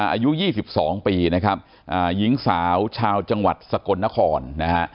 อายุ๒๒ปีนะครับหญิงสาวชาวจังหวัดสกลนครนะฮะ